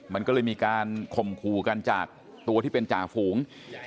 มันก็เลยมีการข่มขู่กันจากตัวที่เป็นจ่าฝูง